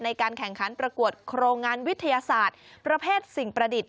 ในการแข่งขันประกวดโครงงานวิทยาศาสตร์ประเภทสิ่งประดิษฐ์